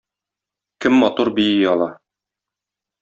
Кем матур бии ала